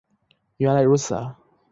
原来如此啊